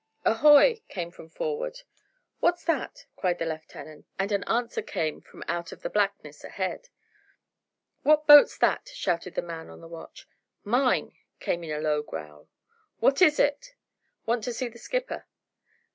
"Ahoy!" came from forward. "What's that?" cried the lieutenant, and an answer came from out of the blackness ahead. "What boat's that?" shouted the man on the watch. "Mine," came in a low growl. "What is it?" "Want to see the skipper."